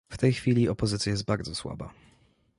W tej chwili opozycja jest bardzo słaba